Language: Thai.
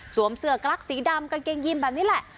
เสือกลักสีดำกางเกงยินแบบนี้แหละ